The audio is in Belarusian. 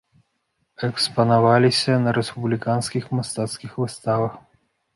Экспанаваліся на рэспубліканскіх мастацкіх выставах.